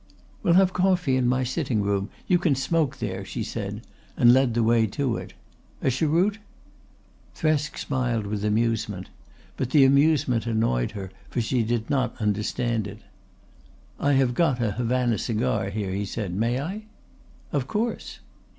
"We'll have coffee in my sitting room. You can smoke there," she said and led the way to it. "A cheroot?" Thresk smiled with amusement. But the amusement annoyed her for she did not understand it. "I have got a Havana cigar here," he said. "May I?" "Of course."